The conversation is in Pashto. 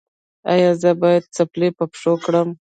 ایا زه باید څپلۍ په پښو کړم؟